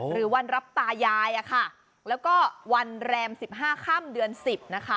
หรือวันรับตายายอะค่ะแล้วก็วันแรมสิบห้าค่ำเดือนสิบนะคะ